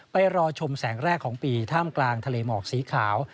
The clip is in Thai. รอชมแสงแรกของปีท่ามกลางทะเลหมอกสีขาว